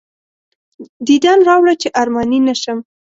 دیدن راوړه چې ارماني نه شم.